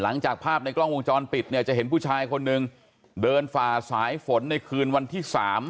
หลังจากภาพในกล้องวงจรปิดเนี่ยจะเห็นผู้ชายคนหนึ่งเดินฝ่าสายฝนในคืนวันที่๓